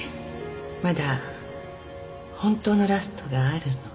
まだ本当のラストがあるの。